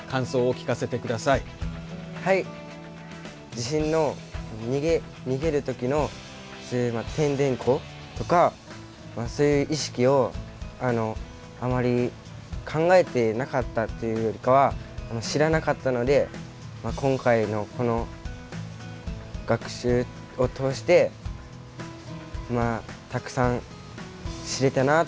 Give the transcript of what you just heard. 地震の逃げる時の「てんでんこ」とかそういう意識をあまり考えてなかったというよりかは知らなかったので今回のこの学習を通してたくさん知れたなと思いました。